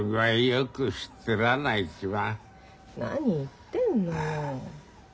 何言ってんのよ。